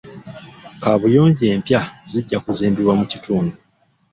Kabuyonjo empya zijja kuzimbibwa mu kitundu.